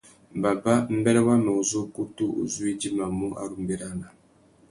Baba, mbêrê wamê uzu ukutu u zu u idjimamú a ru mʼbérana.